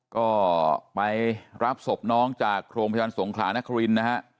ก็ไปรับศพน้องจากโรงพยาบาลสงขลานครินนะฮะ